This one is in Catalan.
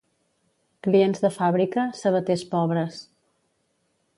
Clients de fàbrica, sabaters pobres.